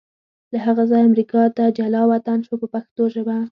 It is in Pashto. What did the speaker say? له هغه ځایه امریکا ته جلا وطن شو په پښتو ژبه.